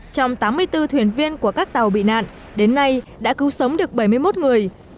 trong tám mươi bốn thuyền viên của các tàu bị nạn đến nay đã cứu sống được bảy mươi một người